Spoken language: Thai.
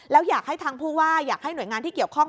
แล้วอยากให้ทางผู้ว่าอยากให้หน่วยงานที่เกี่ยวข้อง